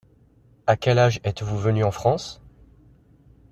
À quel âge êtes-vous venue en France?